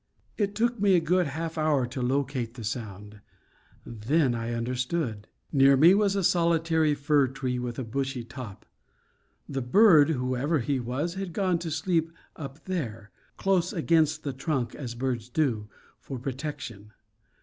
It took me a good half hour to locate the sound; then I understood. Near me was a solitary fir tree with a bushy top. The bird, whoever he was, had gone to sleep up there, close against the trunk, as birds do, for protection.